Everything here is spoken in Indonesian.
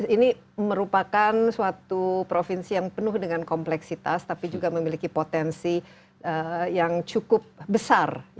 ini merupakan suatu provinsi yang penuh dengan kompleksitas tapi juga memiliki potensi yang cukup besar